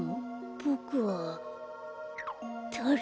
ボクはだれ？